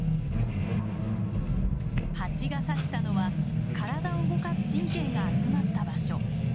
ハチが刺したのは体を動かす神経が集まった場所。